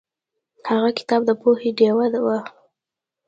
هغه کتاب د پوهې ډیوه وه.